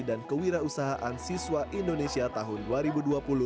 dan kewirausahaan siswa indonesia tahun ini